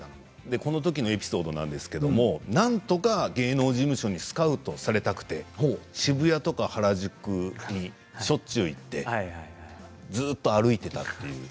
このときのエピソードですがなんとか芸能事務所にスカウトされたくて渋谷とか原宿にしょっちゅう行ってずっと歩いていたと。